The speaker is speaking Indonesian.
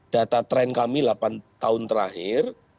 data tren kami delapan tahun terakhir